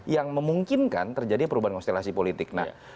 yang memungkinkan terjadi perubahan konstelasi politik